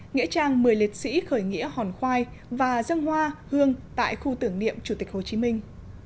nghĩa trang một mươi liệt sĩ khởi nghĩa hòn khoai và dân hoa hương tại khu tưởng niệm chủ tịch hồ chí minh